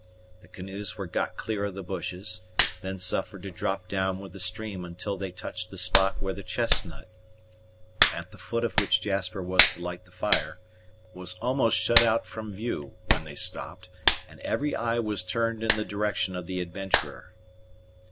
The canoes were got clear of the bushes, then suffered to drop down with the stream until they reached the spot where the chestnut, at the foot of which Jasper was to light the fire, was almost shut out from view, when they stopped, and every eye was turned in the direction of the adventurer.